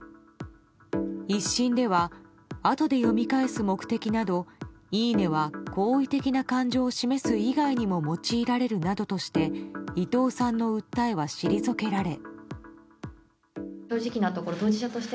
１審ではあとで読み返す目的などいいねは好意的な感情を示す以外にも用いられるなどとして伊藤さんの訴えは退けられ。